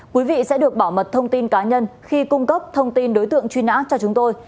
quý vị sẽ được bảo mật thông tin cá nhân khi cung cấp thông tin đối tượng truy nã cho chúng tôi